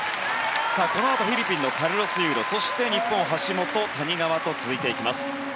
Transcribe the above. このあとフィリピンのカルロス・ユーロそして日本橋本、谷川と続いていきます。